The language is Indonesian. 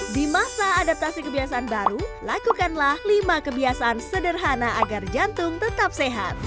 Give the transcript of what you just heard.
di masa adaptasi kebiasaan baru lakukanlah lima kebiasaan sederhana agar jantung tetap sehat